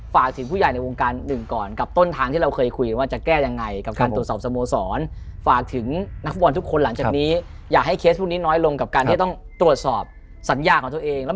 ฝากถึงผู้ใหญ่ในวงการหนึ่งก่อนกับต้นทางที่เราเคยคุยกันว่าจะแก้ยังไงการตรวจสอบสโมสร